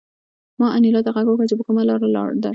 ما انیلا ته غږ وکړ چې په کومه لاره درشم